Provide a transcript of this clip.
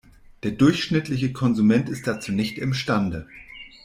Der durchschnittliche Konsument ist dazu nicht imstande.